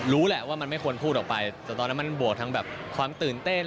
รู้แหละว่ามันไม่ควรพูดออกไปแต่ตอนนั้นมันบวกทั้งแบบความตื่นเต้น